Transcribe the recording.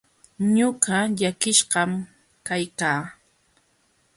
Ñuqa llakishqan kaykaa.